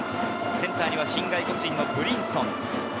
センターには新外国人のブリンソン。